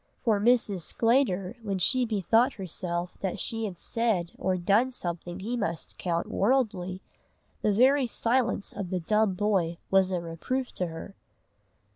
For Mrs. Sclater, when she bethought herself that she had said or done something he must count worldly, the very silence of the dumb boy was a reproof to her.